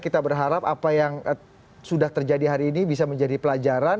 kita berharap apa yang sudah terjadi hari ini bisa menjadi pelajaran